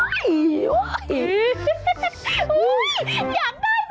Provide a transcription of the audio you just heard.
อุ๊ยอยากได้มาก